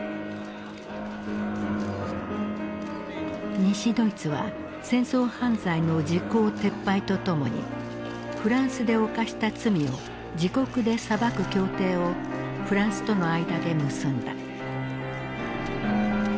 西ドイツは戦争犯罪の時効撤廃とともにフランスで犯した罪を自国で裁く協定をフランスとの間で結んだ。